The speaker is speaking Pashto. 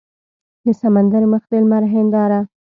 د سمندر مخ د لمر هینداره